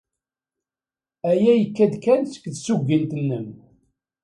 Aya yekka-d kan seg tsugint-nnem.